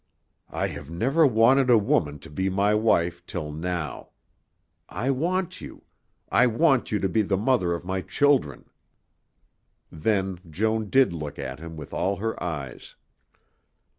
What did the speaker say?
"I have never wanted a woman to be my wife till now. I want you. I want you to be the mother of my children." Then Joan did look at him with all her eyes.